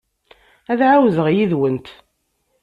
Ad ɛawzeɣ yid-went.